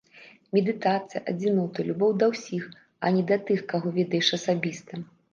Медытацыя, адзінота, любоў да ўсіх, а не да тых, каго ведаеш асабіста.